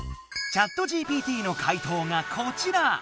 ＣｈａｔＧＰＴの回答がこちら！